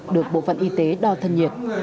được bộ phận y tế đo thân nhiệt ghi chép thông tin